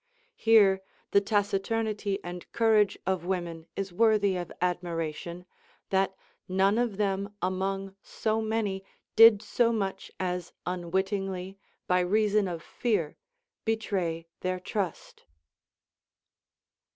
Here the taciturnity and courage of women is worthy of admiration, that none of them among so many did so much as un wittingly, by reason of fear, betray their trust.